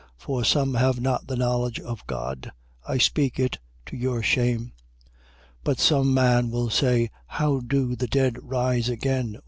For some have not the knowledge of God. I speak it to your shame. 15:35. But some man will say: How do the dead rise again?